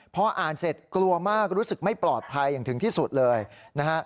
พออ่านเสร็จกลัวมากรู้สึกไม่ปลอดภัยอย่างถึงที่สุดเลยนะฮะ